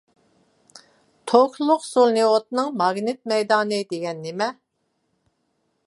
توكلۇق سولېنوئىدنىڭ ماگنىت مەيدانى دېگەن نېمە؟